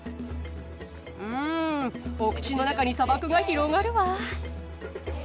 うんお口の中に砂漠が広がるわ。